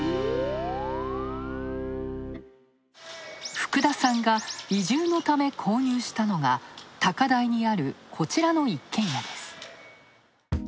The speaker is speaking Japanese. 福田さんが、移住のため購入したのが高台にある、こちらの一軒家です。